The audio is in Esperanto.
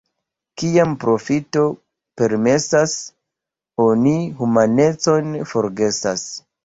Kiam profito permesas, oni humanecon forgesas.